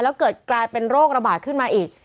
แล้วเกิดกลายเป็นโรคระบาดขึ้นมาอีก